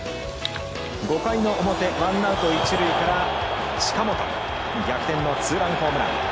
５回の表、ワンアウト、一塁から近本逆転のツーランホームラン。